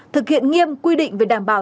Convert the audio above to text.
thực hiện nghiêm quy định về đảm bảo